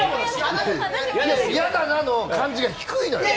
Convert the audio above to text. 「嫌だな」の感じが低いのよ。